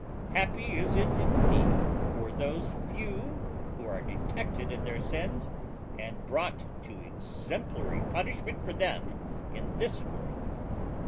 Happy is it indeed for those few who are detected in their sins, and brought to exemplary punishment for them in this world.